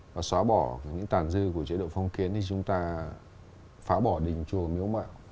và xóa bỏ những tàn dư của chế độ phong kiến thì chúng ta phá bỏ đình chùa miếu mạo